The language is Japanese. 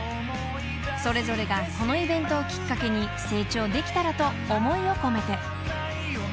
［それぞれがこのイベントをきっかけに成長できたらと思いを込めて］